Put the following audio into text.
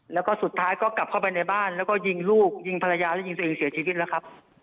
แล้วก็สุดท้ายก็กลับเข้าไปในบ้านแล้วก็ยิงลูกยิงภรรยาแล้วยิงตัวเองเสียชีวิตแล้วครับ